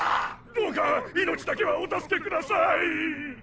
どうか命だけはお助けください！